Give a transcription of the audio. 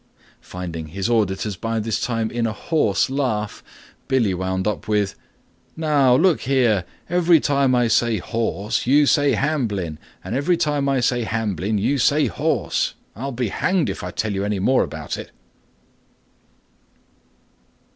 Finding his auditors by this time in a horse laugh, Billy wound up with: "Now, look here, every time I say horse, you say Hamblin, and every time I say Hamblin you say horse: I'll be hanged if I tell you any more about it."